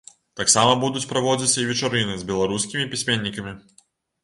Таксама будуць праводзіцца і вечарыны з беларускімі пісьменнікамі.